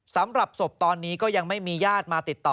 สำหรับศพตอนนี้ก็ยังไม่มีญาติมาติดต่อ